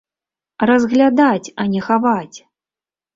Разглядаць, а не хаваць!